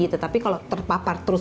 tetapi kalau terpapar terus